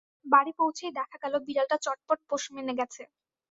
বাড়ি পৌছেই দেখা গেল, বিড়ালটা চটপট পোষ মেনে গেছে।